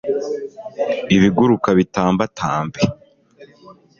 ibiguruka bitambatambe